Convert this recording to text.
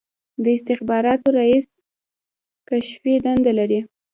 د استخباراتو رییس کشفي دنده لري